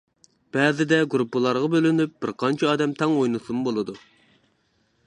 بەزىدە گۇرۇپپىلارغا بۆلۈنۈپ بىر قانچە ئادەم تەڭ ئوينىسىمۇ بولىدۇ.